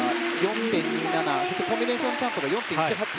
そしてコンビネーションジャンプが４．１８。